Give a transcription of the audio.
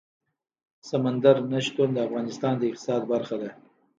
سمندر نه شتون د افغانستان د اقتصاد برخه ده.